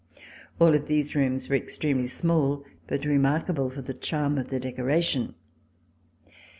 All of these rooms were extremely small but remarkable for the charm of their decoration.